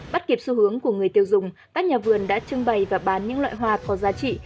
bắt kịp xu hướng của người tiêu dùng các nhà vườn đã trưng bày và bán những loại hoa có giá trị